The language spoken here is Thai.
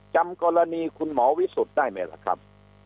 จำกรณีคุณหมอวิสุทธิ์ได้ไหมล่ะครับ